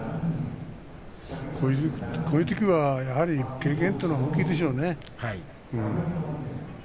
こういうときはやはり経験というのは大きいでしょうね。